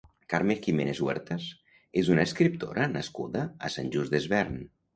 Carme Jiménez Huertas és una escriptora nascuda a Sant Just Desvern.